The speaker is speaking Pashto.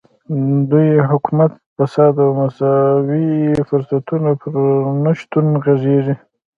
دوی د حکومت په فساد او د مساوي فرصتونو پر نشتون غږېږي.